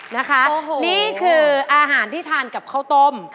นะคะนี่คืออาหารที่ทานกับข้าวต้ม